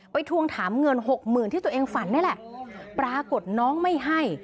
ทวงถามเงินหกหมื่นที่ตัวเองฝันนี่แหละปรากฏน้องไม่ให้